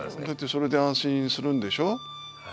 だってそれで安心するんでしょ？